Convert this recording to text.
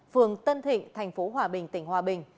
phường tân thịnh tp hòa bình tỉnh hòa bình